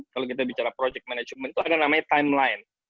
kalau kita bicara project management itu ada namanya timeline